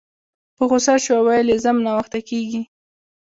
په غوسه شوه ویل یې ځم ناوخته کیږي